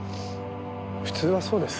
普通はそうです。